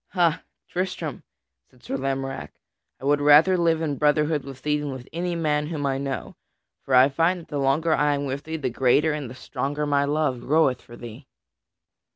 "Ha, Tristram," said Sir Lamorack, "I would rather live in brotherhood with thee than with any man whom I know, for I find that the longer I am with thee, the greater and the stronger my love groweth for thee."